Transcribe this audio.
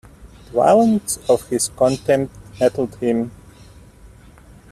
The violence of his contempt nettled him.